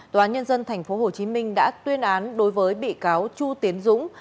tòa nhân dân tp hcm đã tuyên án đối với bị cáo chu tiến dũng